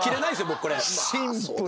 僕これ。